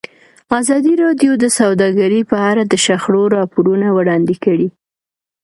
ازادي راډیو د سوداګري په اړه د شخړو راپورونه وړاندې کړي.